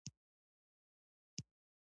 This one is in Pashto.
ويې ويل چې د مالدارۍ خونده نشته.